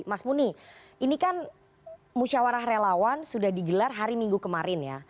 mas muni ini kan musyawarah relawan sudah digelar hari minggu kemarin ya